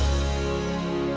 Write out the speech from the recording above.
aku terlalu berharga